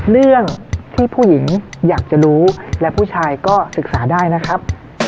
เรื่องที่ผู้หญิงอยากจะรู้และผู้ชายก็ศึกษาได้นะครับ